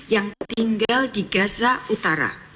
yang tinggal di gaza utara